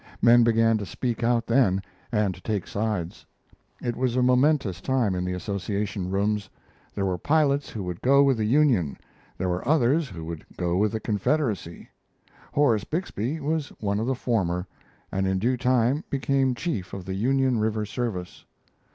Men began to speak out then and to take sides. It was a momentous time in the Association Rooms. There were pilots who would go with the Union; there were others who would go with the Confederacy. Horace Bixby was one of the former, and in due time became chief of the Union River Service.